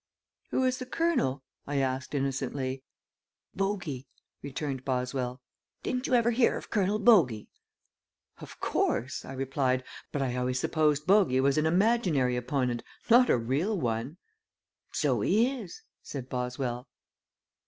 "Who is the colonel?" I asked, innocently. "Bogey," returned Boswell. "Didn't you ever hear of Colonel Bogey?" "Of course," I replied, "but I always supposed Bogey was an imaginary opponent, not a real one." "So he is," said Boswell.